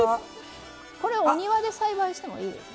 これお庭で栽培してもいいですね。